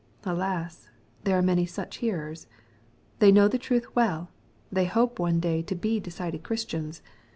Alas ! there are many 8Uch hearers I They know the truth well. They hope one day to be decided Christians.